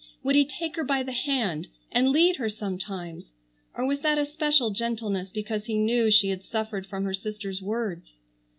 Would he take her by the hand and lead her sometimes, or was that a special gentleness because he knew she had suffered from her sister's words?